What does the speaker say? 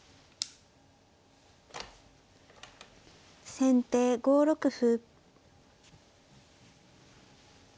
先手５六歩。